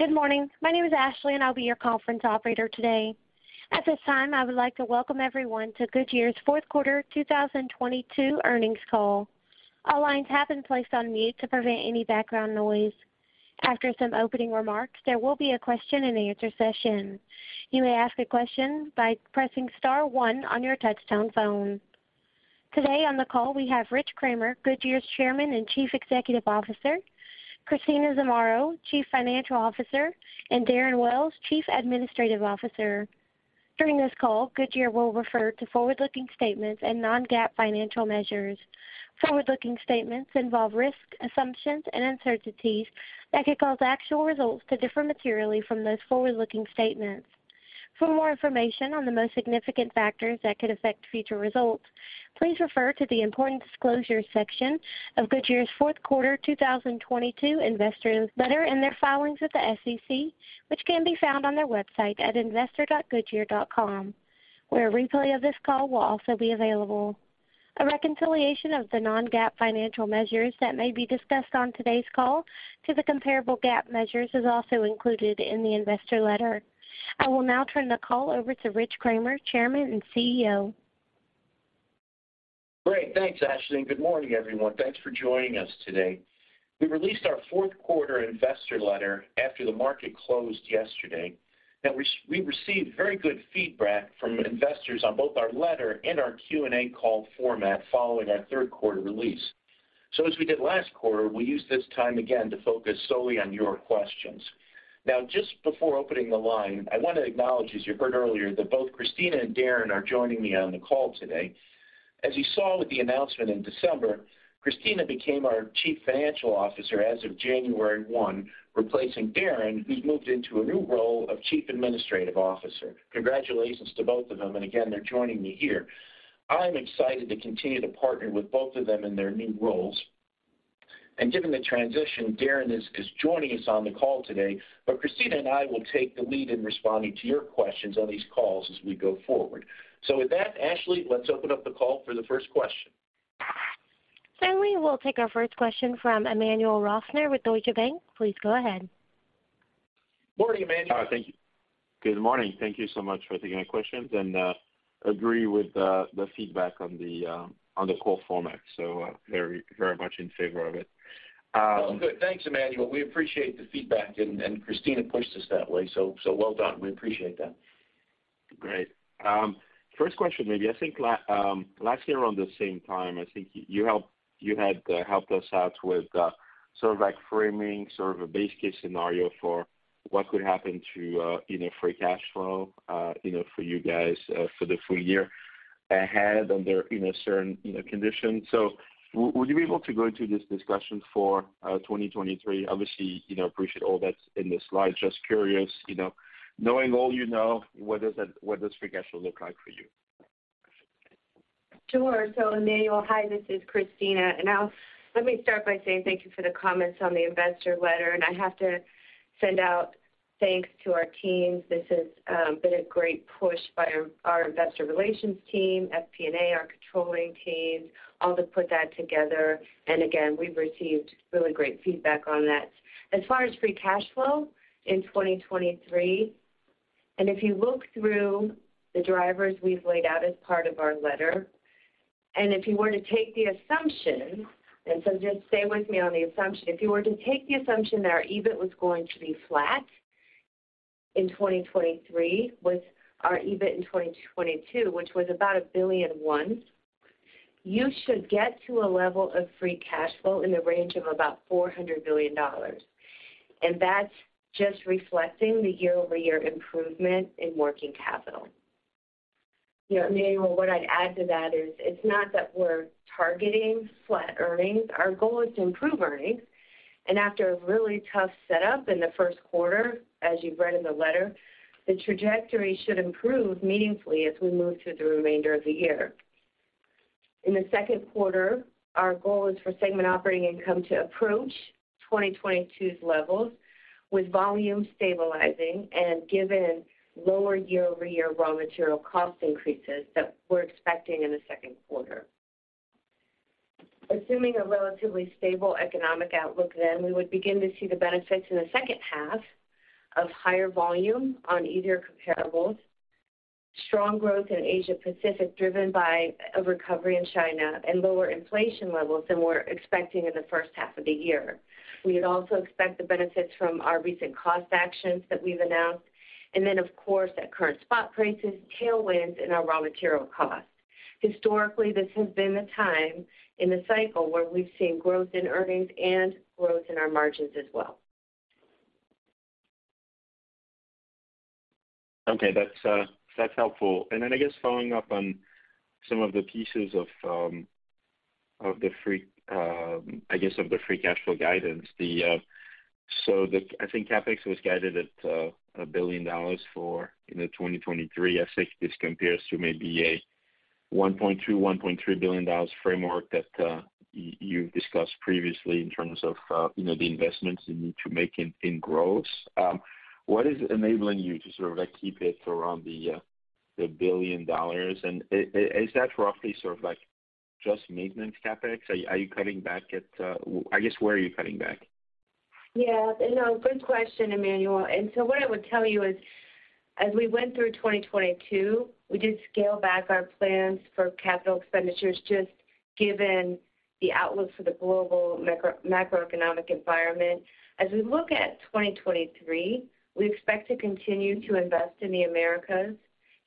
Good morning. My name is Ashley, and I'll be your conference operator today. At this time, I would like to welcome everyone to Goodyear's fourth quarter 2022 earnings call. All lines have been placed on mute to prevent any background noise. After some opening remarks, there will be a question-and-answer session. You may ask a question by pressing star one on your touchtone phone. Today on the call, we have Rich Kramer, Goodyear's Chairman and Chief Executive Officer, Christina Zamarro, Chief Financial Officer, and Darren Wells, Chief Administrative Officer. During this call, Goodyear will refer to forward-looking statements and non-GAAP financial measures. Forward-looking statements involve risks, assumptions, and uncertainties that could cause actual results to differ materially from those forward-looking statements. For more information on the most significant factors that could affect future results, please refer to the Important Disclosure section of Goodyear's fourth quarter 2022 investor letter and their filings with the SEC, which can be found on their website at investor.goodyear.com, where a replay of this call will also be available. A reconciliation of the non-GAAP financial measures that may be discussed on today's call to the comparable GAAP measures is also included in the investor letter. I will now turn the call over to Rich Kramer, Chairman and CEO. Great. Thanks, Ashley. Good morning, everyone. Thanks for joining us today. We released our fourth-quarter investor letter after the market closed yesterday. We received very good feedback from investors on both our letter and our Q&A call format following our third-quarter release. As we did last quarter, we will use this time again to focus solely on your questions. Just before opening the line, I want to acknowledge, as you heard earlier, that both Christina and Darren are joining me on the call today. As you saw with the announcement in December, Christina became our Chief Financial Officer as of January 1, replacing Darren, who has moved into a new role of Chief Administrative Officer. Congratulations to both of them, and again, they're joining me here. I'm excited to continue to partner with both of them in their new roles. Given the transition, Darren is joining us on the call today. Christina and I will take the lead in responding to your questions on these calls as we go forward. With that, Ashley, let's open up the call for the first question. Certainly. We'll take our first question from Emmanuel Rosner with Deutsche Bank. Please go ahead. Morning, Emmanuel. Thank you. Good morning. Thank you so much for taking my questions and agreeing with the feedback on the call format, so; very, very much in favor of it. Oh, good. Thanks, Emmanuel. We appreciate the feedback and Christina pushed us that way, so well done. We appreciate that. Great. First question, maybe. I think last year around the same time, I think you had helped us out with sort of like framing sort of a base case scenario for what could happen to, you know, free cash flow, you know, for you guys, for the full year ahead under, you know, certain, you know, conditions. Would you be able to go into this discussion for 2023? Obviously, you know, appreciate all that's in the slide. Just curious, you know, knowing all you know, what does free cash flow look like for you? Sure. Emmanuel, hi, this is Christina. Now let me start by saying thank you for the comments on the investor letter, and I have to send out thanks to our teams. This has been a great push by our investor relations team, FP&A, our controlling team, all to put that together. Again, we've received really great feedback on that. As far as free cash flow in 2023, if you look through the drivers we've laid out as part of our letter, if you were to take the assumption, just stay with me on the assumption. If you were to take the assumption that our EBIT was going to be flat in 2023, with our EBIT in 2022, which was about $1.1 billion, you would get to a level of free cash flow in the range of about $400 billion. That's just reflecting the year-over-year improvement in working capital. You know, Emmanuel, what I'd add to that is it's not that we're targeting flat earnings. Our goal is to improve earnings, and after a really tough setup in the first quarter, as you've read in the letter, the trajectory should improve meaningfully as we move through the remainder of the year. In the second quarter, our goal is for segment operating income to approach 2022's levels, with volume stabilizing and given lower year-over-year raw material cost increases that we're expecting in the second quarter. Assuming a relatively stable economic outlook, then, we would begin to see the benefits in the second half of higher volume on easier comparables, strong growth in the Asia Pacific driven by a recovery in China, and lower inflation levels than we're expecting in the first half of the year. We would also expect the benefits from our recent cost actions that we've announced. Of course, at current spot prices, tailwinds in our raw material costs. Historically, this has been the time in the cycle where we've seen growth in earnings and growth in our margins as well. Okay. That's helpful. I guess following up on some of the pieces of, I guess, of the free cash flow guidance. I think CapEx was guided at $1 billion for, you know, 2023. I think this compares to maybe a $1.2 billion-$1.3 billion framework that you've discussed previously in terms of, you know, the investments you need to make in growth. What is enabling you to sort of like keep it around the $1 billion? Is that roughly sort of like just maintenance CapEx? Are you cutting back at? I guess, where are you cutting back? Yeah. No, good question, Emmanuel. What I would tell you is, as we went through 2022, we did scale back our plans for capital expenditures, just given the outlook for the global macro, macroeconomic environment. As we look at 2023, we expect to continue to invest in the Americas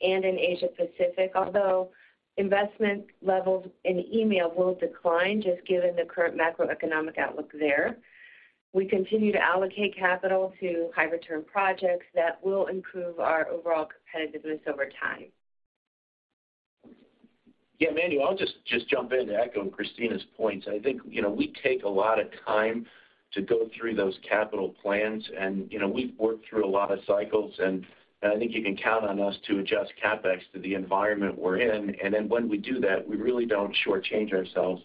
and in the Asia Pacific. Although investment levels in EMEA will decline just, given the current macroeconomic outlook there. We continue to allocate capital to high-return projects that will improve our overall competitiveness over time. Yeah, Emmanuel, I'll just jump in to echo Christina's points. I think, you know, we take a lot of time to go through those capital plans. You know, we've worked through a lot of cycles, and I think you can count on us to adjust CapEx to the environment we're in. When we do that, we really don't shortchange ourselves,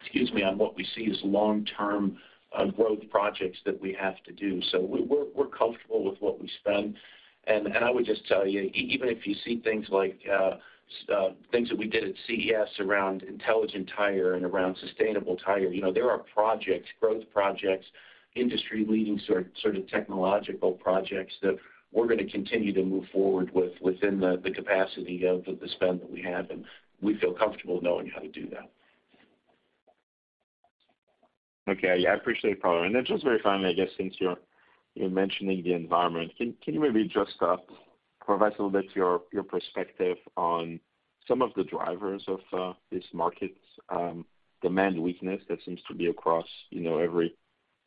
excuse me, on what we see as long-term growth projects that we have to do. We're comfortable with what we spend. I would just tell you, even if you see things like things that we did at CES around intelligent tire and around sustainable tire, you know, there are projects, growth projects, industry-leading sort of technological projects that we're gonna continue to move forward with within the capacity of the spend that we have, and we feel comfortable knowing how to do that. Okay. Yeah, I appreciate it, Paul. Just very finally, I guess, since you're mentioning the environment, can you maybe just provide a little bit of your perspective on some of the drivers of this market's demand weakness that seems to be across, you know, every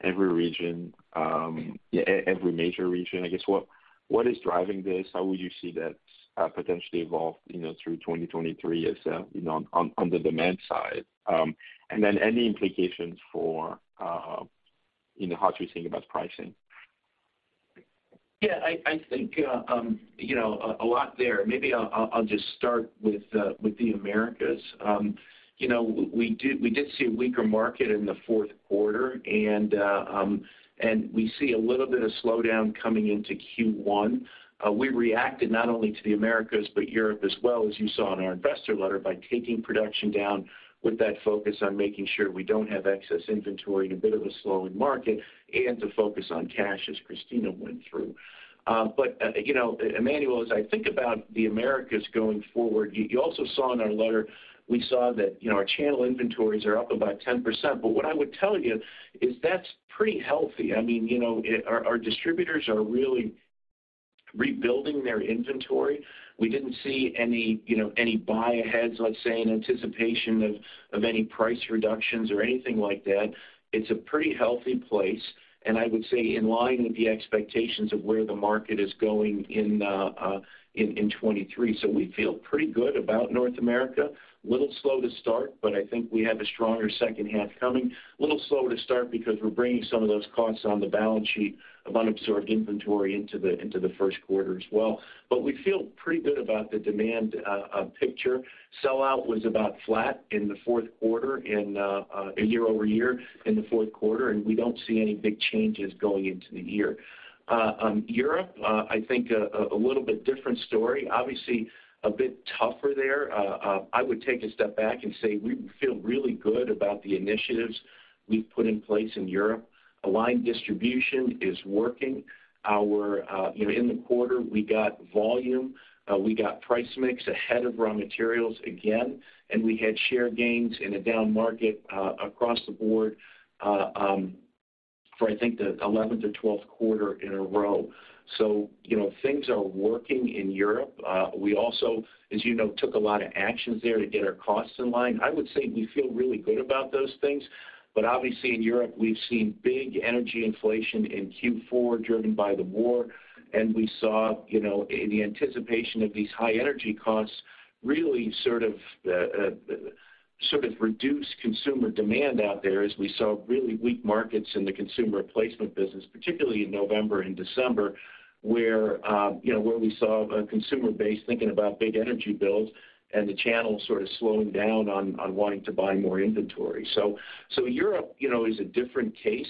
region, every major region? I guess what is driving this? How would you see that potentially evolve, you know, through 2023, as, you know, on the demand side? Any implications for, you know, how to think about pricing? Yeah, I think, you know, a lot there, maybe I'll just start with the Americas. You know, we did see a weaker market in the fourth quarter. We see a little bit of slowdown coming into Q1. We reacted not only to the Americas but Europe as well, as you saw in our investor letter, by taking production down with that focus on making sure we don't have excess inventory in a bit of a slowing market, and to focus on cash, as Christina went through. You know, Emmanuel, as I think about the Americas going forward, you also saw in our letter that we saw that, you know, our channel inventories are up about 10%. What I would tell you is that's pretty healthy. I mean, you know, our distributors are really rebuilding their inventory. We didn't see any, you know, any buy-aheads, let's say, in anticipation of any price reductions or anything like that. It's a pretty healthy place. I would say in line with the expectations of where the market is going in 2023. We feel pretty good about North America. A little slow to start, but I think we have a stronger second half coming. A little slow to start because we're bringing some of those costs on the balance sheet of unabsorbed inventory into the first quarter as well. We feel pretty good about the demand picture. Sellout was about flat in the fourth quarter in year-over-year in the fourth quarter. We don't see any big changes going into the year. Europe, I think a little bit different story, obviously a bit tougher there. I would take a step back and say we feel really good about the initiatives we've put in place in Europe. Aligned distribution is working. Our, you know, in the quarter, we got volume, we got price mix ahead of raw materials again, and we had share gains in a down market, across the board, for I think the 11th or 12th quarter in a row. You know, things are working in Europe. We also, as you know, took a lot of actions there to get our costs in line. I would say we feel really good about those things. Obviously, in Europe, we've seen big energy inflation in Q4 driven by the war. We saw, you know, the anticipation of these high energy costs really sort of reduce consumer demand out there, as we saw really weak markets in the consumer replacement business, particularly in November and December, where, you know, we saw a consumer base thinking about big energy bills and the channel sort of slowing down on wanting to buy more inventory. Europe, you know, is a different case.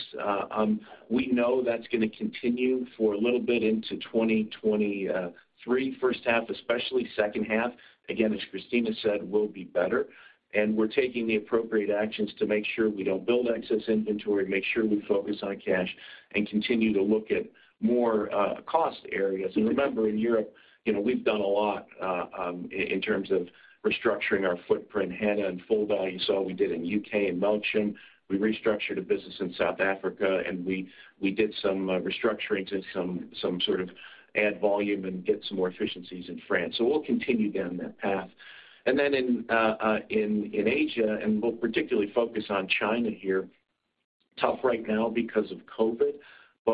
We know that's gonna continue for a little bit into 2023, first half, especially the second half, again, as Christina said, will be better. We're taking the appropriate actions to make sure we don't build excess inventory, make sure we focus on cash, and continue to look at more cost areas. Remember, in Europe, you know, we've done a lot in terms of restructuring our footprint. Hanau and Fulda saw what we did in the U.K. and Melksham. We restructured a business in South Africa, and we did some restructuring to some sort of add volume and get some more efficiencies in France. We'll continue down that path. Then in Asia, and we'll particularly focus on China here, tough right now because of COVID,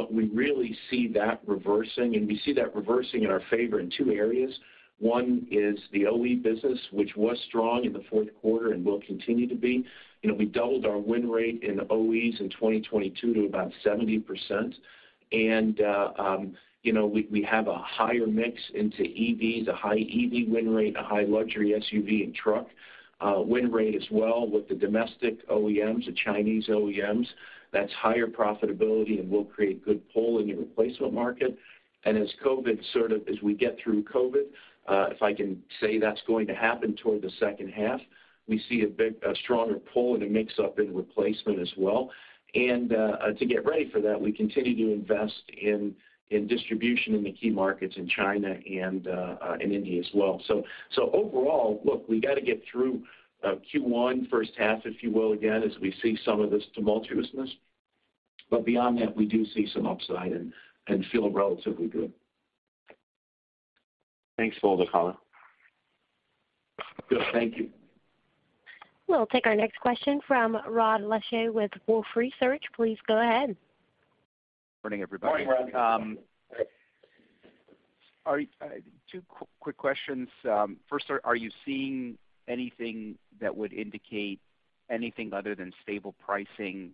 we really see that reversing, and we see that reversing in our favor in two areas. One is the OE business, which was strong in the fourth quarter and will continue to be. You know, we doubled our win rate in OEs in 2022 to about 70%. You know, we have a higher mix into EVs, a high EV win rate, a high luxury SUV and truck win rate as well with the domestic OEMs, the Chinese OEMs. That's higher profitability and will create good pull in the replacement market. As COVID sort of, as we get through COVID, if I can say that's going to happen toward the second half, we see a stronger pull and a mix-up in replacement as well. To get ready for that, we continue to invest in distribution in the key markets in China and India as well. Overall, look, we gotta get through Q1 first half, if you will, again, as we see some of this tumultuousness. Beyond that, we do see some upside and feel relatively good. Thanks for the call. Good. Thank you. We'll take our next question from Rod Lache with Wolfe Research. Please go ahead. Morning, everybody. Morning, Rod. Two quick questions. First, are you seeing anything that would indicate anything other than stable pricing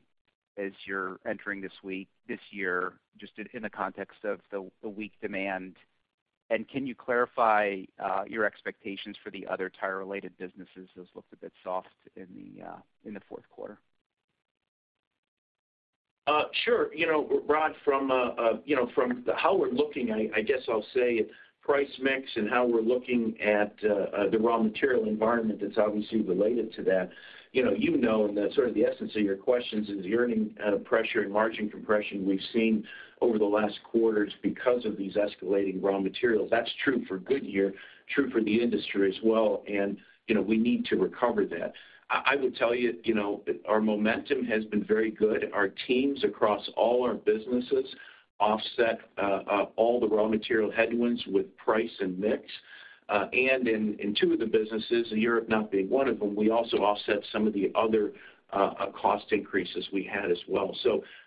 as you're entering this year, just in the context of the weak demand? Can you clarify your expectations for the other tire-related businesses? Those looked a bit soft in the fourth quarter. Sure. You know, Rod, from, you know, from the way we're looking, I guess I'll say price mix and how we're looking at the raw material environment, that's obviously related to that. You know, and that's sort of the essence of your questions, is the earning pressure and margin compression we've seen over the last quarters because of these escalating raw materials. That's true for Goodyear, true for the industry as well. And, you know, we need to recover that. I will tell you now, our momentum has been very good. Our teams across all our businesses offset all the raw material headwinds with price and mix. And in two of the businesses, Europe not being one of them, we also offset some of the other cost increases we had as well.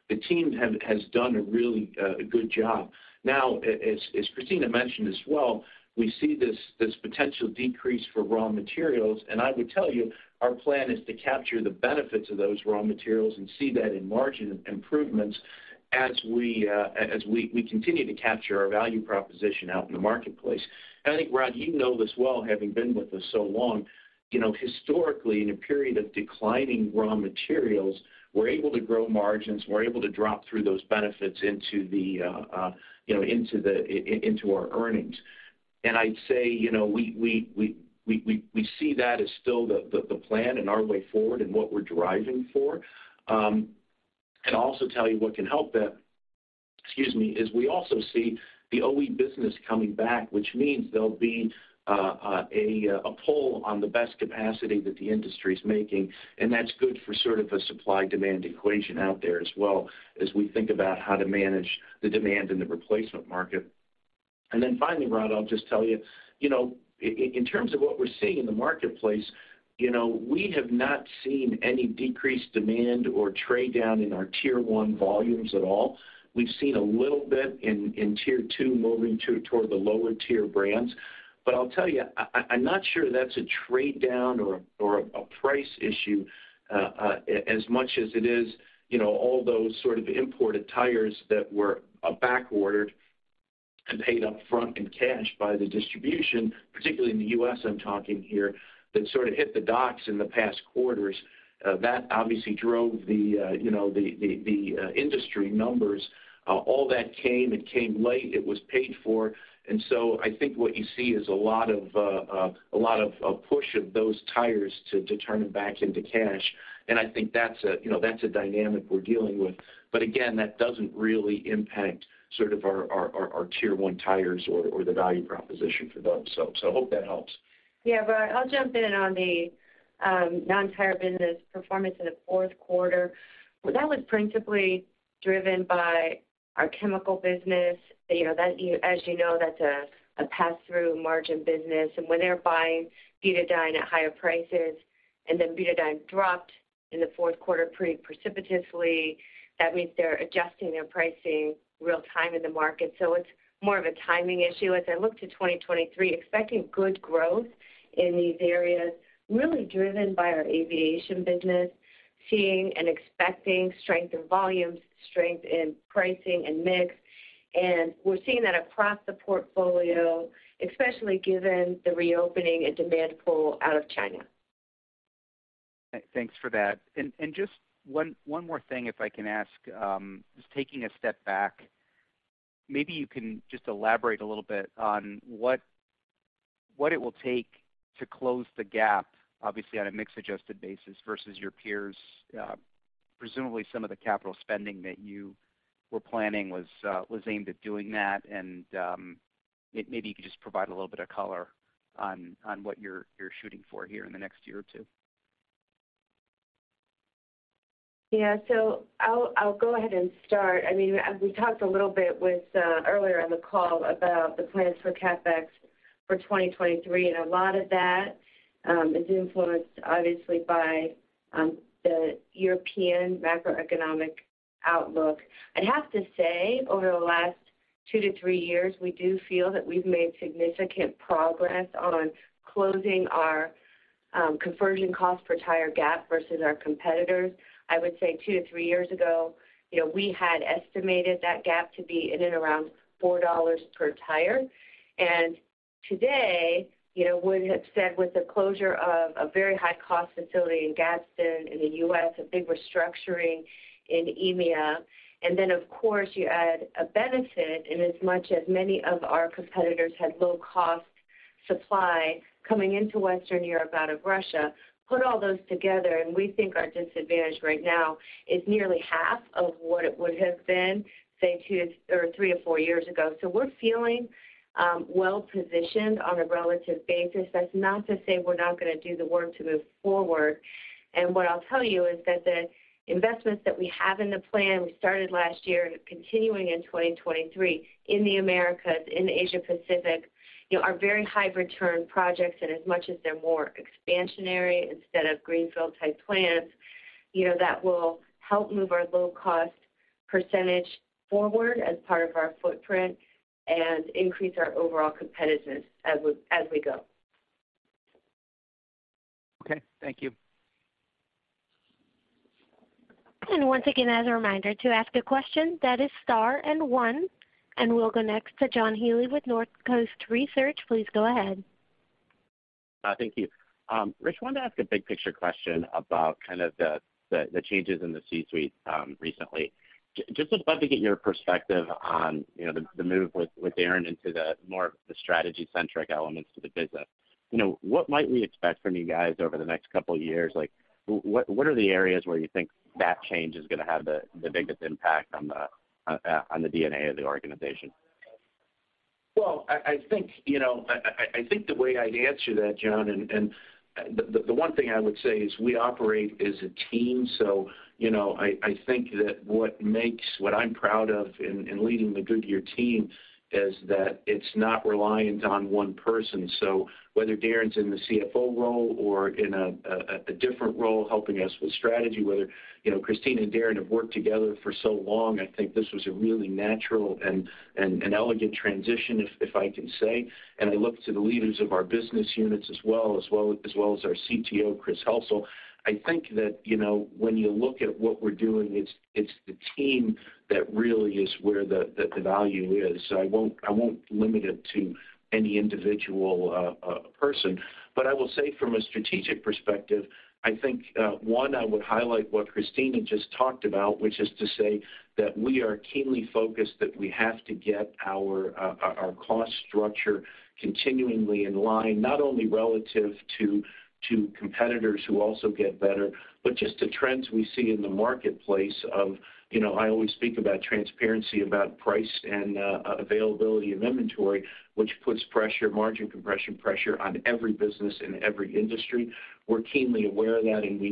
The team has done a really good job. As Christina mentioned as well, we see this potential decrease for raw materials. I would tell you, our plan is to capture the benefits of those raw materials and see that in margin improvements as we continue to capture our value proposition out in the marketplace. I think, Rod, you know this well, having been with us so long. You know, historically, in a period of declining raw materials, we're able to grow margins, we're able to drop through those benefits into our earnings. I'd say, you know, we see that as still the plan and our way forward and what we're driving for. I'll also tell you what can help that, excuse me, is we also see the OE business coming back, which means there'll be a a pull on the best capacity that the industry is making, and that's good for sort of a supply-demand equation out there as well, as we think about how to manage the demand in the replacement market. Finally, Rod, I'll just tell you know, in terms of what we're seeing in the marketplace, you know, we have not seen any decreased demand or trade down in our Tier 1 volumes at all. We've seen a little bit in Tier 2 moving toward the lower tier brands. I'll tell you, I'm not sure that's a trade down or a price issue as much as it is, you know, all those sort of imported tires that were back ordered and paid up front in cash by the distribution, particularly in the U.S., I'm talking here, that sort of hit the docks in the past quarters. That obviously drove the, you know, the industry numbers. All that came, it came late, it was paid for. I think what you see is a lot of push of those tires to turn them back into cash. I think that's a, you know, that's a dynamic we're dealing with. Again, that doesn't really impact sort of our Tier 1 tires or the value proposition for those. Hope that helps. Yeah. Rod, I'll jump in on the non-tire business performance in the fourth quarter. Well, that was principally driven by our chemical business. You know, as you know, that's a pass-through margin business. When they're buying butadiene at higher prices, then butadiene dropped in the fourth quarter pretty precipitously. That means they're adjusting their pricing real time in the market. It's more of a timing issue. As I look to 2023, expecting good growth in these areas, really driven by our aviation business, seeing and expecting strength in volumes, strength in pricing and mix. We're seeing that across the portfolio, especially given the reopening and demand pull out of China. Thanks for that. Just one more thing, if I can ask. Just taking a step back, maybe you can just elaborate a little bit on what it will take to close the gap, obviously on a mix-adjusted basis versus your peers. Presumably some of the capital spending that you were planning was aimed at doing that. Maybe you could just provide a little bit of color on what you're shooting for here in the next year or two. I'll go ahead and start. I mean, as we talked a little bit with earlier in the call about the plans for CapEx for 2023, and a lot of that is influenced obviously by the European macroeconomic outlook. I'd have to say over the last two to three years, we do feel that we've made significant progress on closing our conversion cost per tire gap versus our competitors. I would say two to three years ago, you know, we had estimated that gap to be in and around $4 per tire. Today, you know, would have said with the closure of a very high-cost facility in Gadsden in the U.S., a big restructuring in EMEA. Of course, you add a benefit in as much as many of our competitors had low-cost supply coming into Western Europe, out of Russia. Put all those together, we think our disadvantage right now is nearly half of what it would have been, say, two to three or four years ago. We're feeling well-positioned on a relative basis. That's not to say we're not gonna do the work to move forward. What I'll tell you is that the investments that we have in the plan we started last year and continuing in 2023 in the Americas, in the Asia Pacific, you know, are very high-return projects. As much as they're more expansionary, instead of greenfield-type plans. You know, that will help move our low cost percentage forward as part of our footprint and increase our overall competitiveness as we go. Okay, thank you. Once again, as a reminder to ask a question that is star and one, we'll go next to John Healy with Northcoast Research. Please go ahead. Thank you. Rich, wanted to ask a big picture question about kind of the changes in the C-suite recently. Just would love to get your perspective on, you know, the move with Darren into more of the strategy-centric elements to the business. You know, what might we expect from you guys over the next couple of years? Like, what are the areas where you think that change is gonna have the biggest impact on the DNA of the organization? I think, you know, I think the way I'd answer that, John, and the one thing I would say is we operate as a team. You know, I think that what makes me proud of leading the Goodyear team is that it's not reliant on one person. Whether Darren's in the CFO role or in a different role helping us with strategy, whether, you know, Christina and Darren have worked together for so long, I think this was a really natural and elegant transition, if I can say. I look to the leaders of our business units as well as our CTO, Chris Helsel. I think that, you know, when you look at what we're doing, it's the team that really is where the value is. I won't limit it to any individual person. I will say from a strategic perspective, I think one, I would highlight what Christina just talked about, which is to say that we are keenly focused, that we have to get our cost structure continuingly in line, not only relative to competitors who also get better, but just the trends we see in the marketplace of, you know, I always speak about transparency, about price and availability of inventory, which puts pressure, margin compression pressure on every business in every industry. We're keenly aware of that. We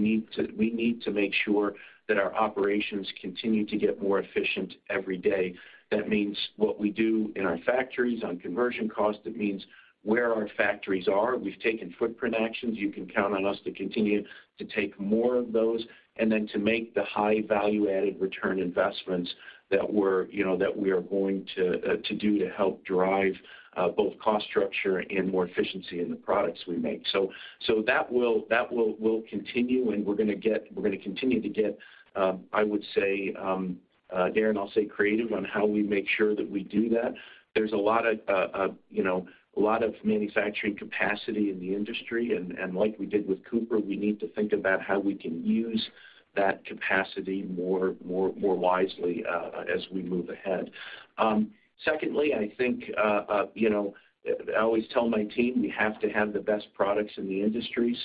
need to make sure that our operations continue to get more efficient every day. That means what we do in our factories on conversion cost. It means where our factories are. We've taken footprint actions. You can count on us to continue to take more of those and then to make the high-value-added return investments that we're, you know, that we are going to do to help drive both cost structure and more efficiency in the products we make. That will continue, and we're gonna continue to get, I would say, Darren, I'll say creative on how we make sure that we do that. There's a lot of, you know, a lot of manufacturing capacity in the industry. As we did with Cooper, we need to think about how we can use that capacity more wisely as we move ahead. Secondly, I think, you know, I always tell my team we have to have the best products in the industry.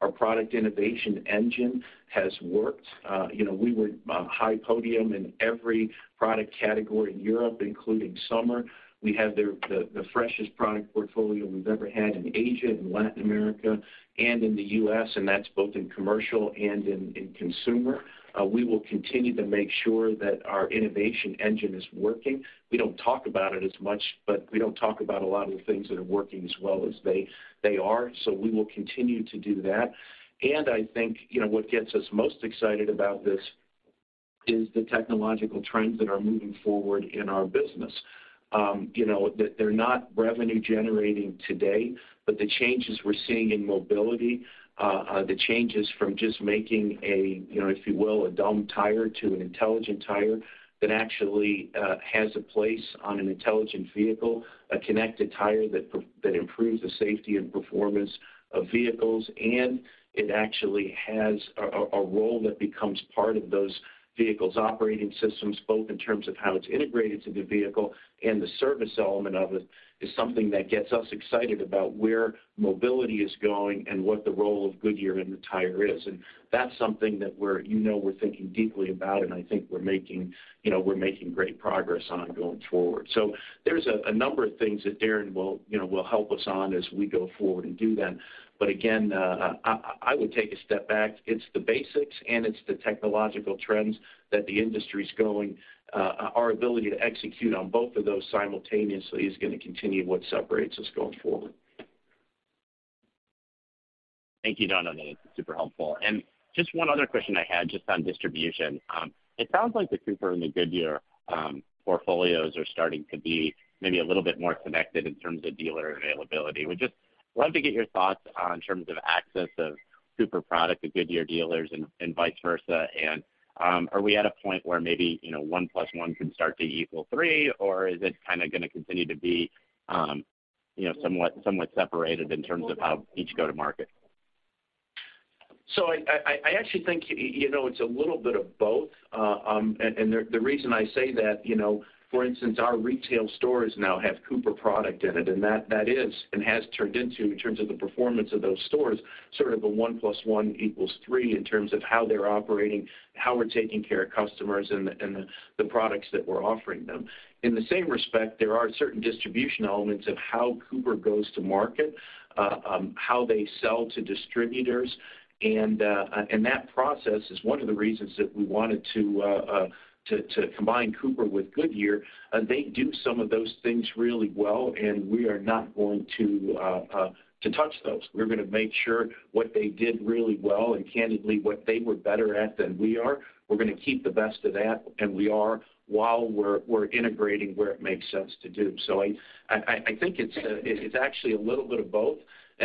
Our product innovation engine has worked. You know, we were high podium in every product category in Europe, including summer. We have the, the freshest product portfolio we've ever had in Asia, Latin America, and in the U.S., and that's both in commercial and in consumer. We will continue to make sure that our innovation engine is working. We don't talk about it as much, but we don't talk about a lot of the things that are working as well as they are. We will continue to do that. I think, you know, what gets us most excited about this is the technological trends that are moving forward in our business. You know, they're not revenue generating today, but the changes we're seeing in mobility, the changes from just making a, you know, if you will, a dumb tire to an intelligent tire that actually has a place on an intelligent vehicle, a connected tire that improves the safety and performance of vehicles, and it actually has a role that becomes part of those vehicles operating systems, both in terms of how it's integrated to the vehicle and the service element of it, is something that gets us excited about where mobility is going and what the role of Goodyear in the tire is. That's something that we're, you know, we're thinking deeply about, and I think we're making, you know, we're making great progress on going forward. There are a number of things that Darren will, you know, will help us on as we go forward and do them. But again, I would take a step back. It's the basics and it's the technological trends that the industry's going. Our ability to execute on both of those simultaneously is gonna continue what separates us going forward. Thank you, John. No, that is super helpful. Just one other question I had, just on distribution. It sounds like the Cooper and the Goodyear portfolios are starting to be maybe a little bit more connected in terms of dealer availability. Would just love to get your thoughts on the terms of access of Cooper products to Goodyear dealers and vice versa. Are we at a point where maybe, you know, one plus one can start to equal three, or is it kinda gonna continue to be, you know, somewhat separated in terms of how each go to market? I actually think, you know, it's a little bit of both. The reason I say that, you know, for instance, our retail stores now have Cooper product in it, and that is and has turned into, in terms of the performance of those stores, sort of a one plus one equals three in terms of how they're operating, how we're taking care of customers, and the products that we're offering them. In the same respect, there are certain distribution elements of how Cooper goes to market, how they sell to distributors. That process is one of the reasons that we wanted to combine Cooper with Goodyear. They do some of those things really well, and we are not going to touch those. We're gonna make sure what they did really well, and candidly, what they were better at than we are, we're gonna keep the best of that, and we are while we're integrating where it makes sense to do. I think it's actually a little bit of both.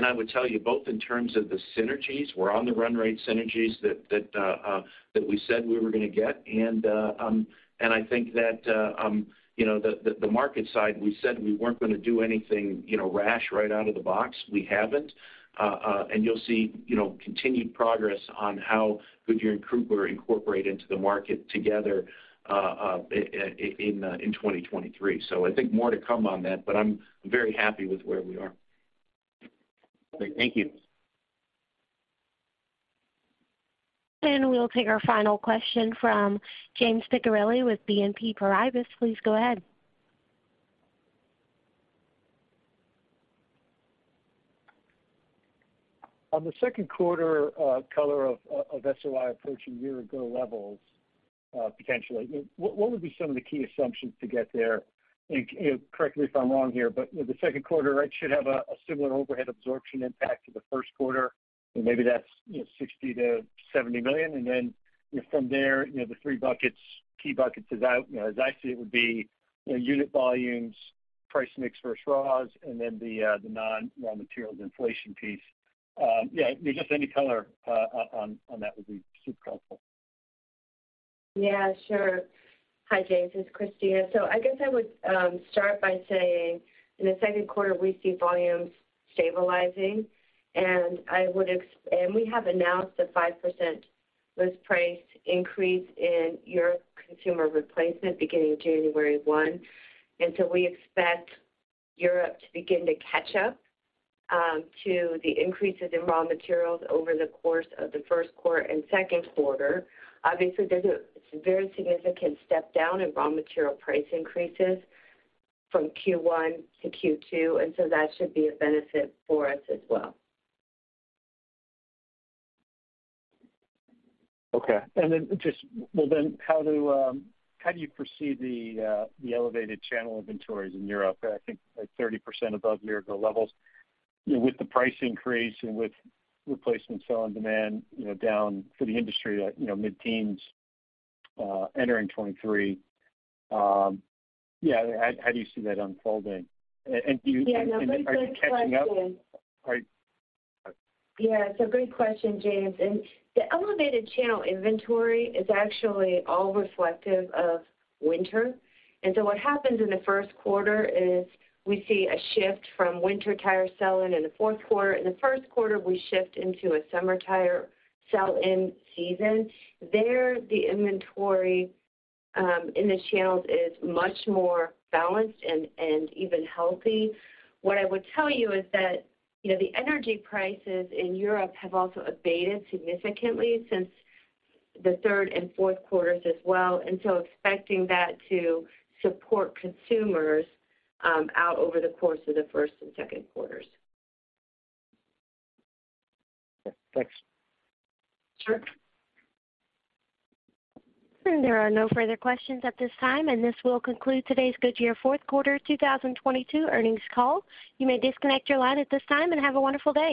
I would tell you both in terms of the synergies, we're on the run rate synergies that we said we were gonna get. I think that, you know, the market side, we said we weren't gonna do anything, you know, rash right out of the box. We haven't. You'll see, you know, continued progress on how Goodyear and Cooper incorporate into the market together in 2023. I think more to come on that, but I'm very happy with where we are. Great. Thank you. We'll take our final question from James Picariello with BNP Paribas. Please go ahead. On the second quarter, the color of SOI is approaching year-ago levels, potentially. What would be some of the key assumptions to get there? You know, correct me if I'm wrong here, but with the second quarter, right, should have a similar overhead absorption impact to the first quarter, and maybe that's, you know, $60 million-$70 million. From there, you know, the three buckets, key buckets as I see it would be, you know, unit volumes, price mix versus raw, and then the non-raw materials inflation piece. Yeah, just any color on that would be super helpful. Yeah, sure. Hi, James, it's Christina. I guess I would start by saying in the second quarter, we see volumes stabilizing, and we have announced a 5% list price increase in Europe consumer replacement beginning January 1. We expect Europe to begin to catch up to the increases in raw materials over the course of the first quarter and second quarter. Obviously, there's a very significant step down in raw material price increases from Q1 to Q2, and so that should be a benefit for us as well. Okay. Well, then, how do you foresee the elevated channel inventories in Europe? I think like 30% above year-ago levels. You know, with the price increase and with replacement sell and demand, you know, down for the industry at, you know, mid-teens, entering 2023. Yeah, how do you see that unfolding? Do you Yeah, no, great question. Are you catching up? Are you... Yeah. Great question, James. The elevated channel inventory is actually all reflective of winter. What happens in the first quarter is we see a shift from winter tire sales in the fourth quarter. In the first quarter, we shift into a summer tire sell-in season. There, the inventory in the channels is much more balanced and even healthy. What I would tell you is that, you know, the energy prices in Europe have also abated significantly since the third and fourth quarters as well, expecting that to support consumers out over the course of the first and second quarters. Okay. Thanks. Sure. There are no further questions at this time, and this will conclude today's Goodyear fourth quarter 2022 earnings call. You may disconnect your line at this time, and have a wonderful day.